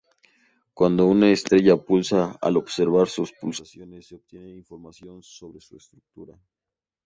Cuando una estrella pulsa, al observar sus pulsaciones se obtiene información sobre su estructura.